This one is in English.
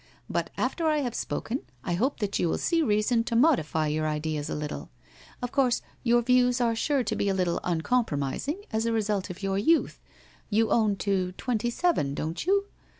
But after I have spoken, I hope that you will see reason to modify your ideas a little? Of course your views are sure to be a little uncompromising, as a result of your youth — you own to twenty seven, don't you?